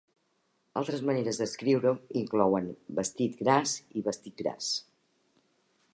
Altres maneres d'escriure-ho inclouen vestit gras i vestit-gras.